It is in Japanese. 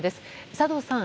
佐藤さん